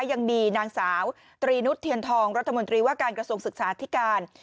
ยังมีนางสาวตรีนุษย์เทียนทองรัฐมนตรีว่าการกระทรวงศึกษาธิการ